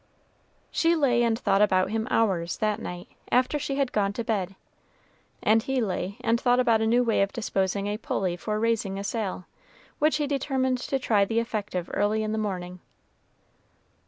She lay and thought about him hours, that night, after she had gone to bed; and he lay and thought about a new way of disposing a pulley for raising a sail, which he determined to try the effect of early in the morning.